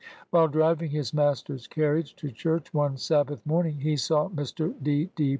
While driving his master's carriage to church one Sabbath morning, he saw Mr. D. D.